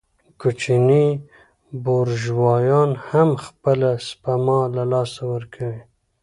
کوچني بورژوایان هم خپله سپما له لاسه ورکوي